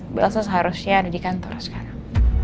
bu elsa seharusnya ada di kantor sekarang